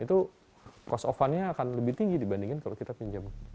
itu cost of fun nya akan lebih tinggi dibandingin kalau kita pinjam